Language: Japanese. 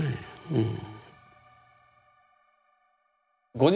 うん。